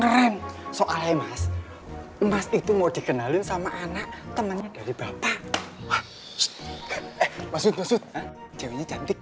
keren soalnya mas emas itu mau dikenalin sama anak temennya dari bapak maksudnya ceweknya cantik